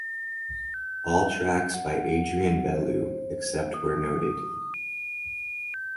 All tracks by Adrian Belew except where noted.